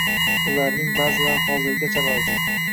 ularning ba’zilari hozirgacha mavjud.